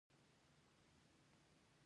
او دا عمل دغه ارتعاش يا تښنېدل زياتوي